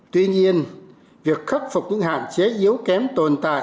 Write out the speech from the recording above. tuy nhiên việc khắc phục những hạn chế yếu kém tồn tại